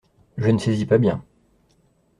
Je ne saisis pas bien.